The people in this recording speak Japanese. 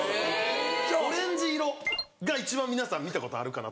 オレンジ色が一番皆さん見たことあるかなと思うんですけど。